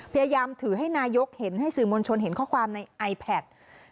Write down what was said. พยายามถือให้นายกเห็นให้สื่อมวลชนเห็นข้อความในไอแพท